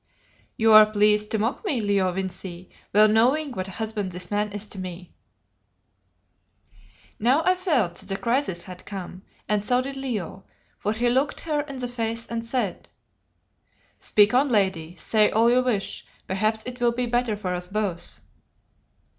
"You are pleased to mock me, Leo Vincey, well knowing what a husband this man is to me." Now I felt that the crisis had come, and so did Leo, for he looked her in the face and said "Speak on, lady, say all you wish; perhaps it will be better for us both."